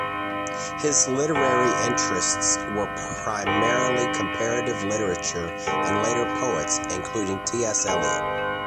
His literary interests were primarily comparative literature and later poets including T. S. Elliot.